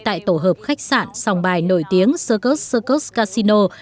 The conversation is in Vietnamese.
tại tổ hợp khách sạn sòng bài nổi tiếng circus circus casino